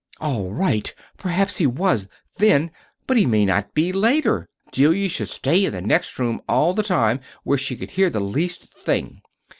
"'All right'! Perhaps he was, then but he may not be, later. Delia should stay in the next room all the time, where she could hear the least thing."